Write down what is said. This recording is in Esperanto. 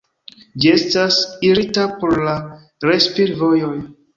Ĝi estas irita por la respir-vojoj.